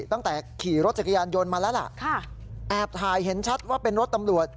ตั้งแต่ขี่รถจักรยานยนต์มาแล้วล่ะแอบถ่ายเห็นชัดว่าเป็นรถตำรวจ